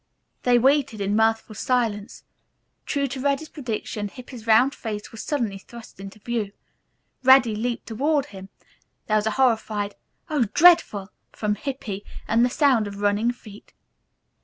They waited in mirthful silence. True to Reddy's prediction Hippy's round face was suddenly thrust into view. Reddy leaped toward him. There was a horrified, "Oh, dreadful!" from Hippy, and the sound of running feet.